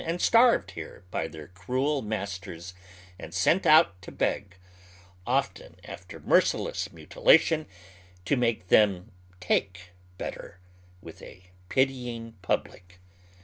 251 and starved liere hy their cruel masters and sent out to beg, often after inercile^ tnutilation to make them " take " better with a pitting public.